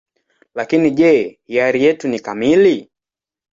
Lakini je, hiari yetu ni kamili?